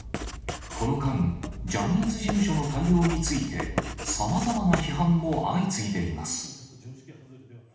この間、ジャニーズ事務所の対応について、さまざまな批判も相次いでいます。